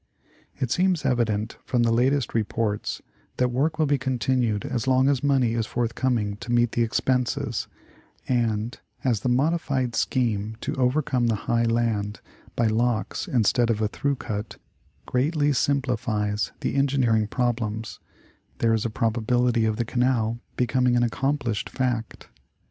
It seems evident from the latest reports that work will be con tinued as long as money is forthcoming to meet the expenses, and as the modified scheme to overcome the high land by locks instead of a through cut, greatly simplifies the engineering problems, there is a probability of the canal becoming an accomplished fact.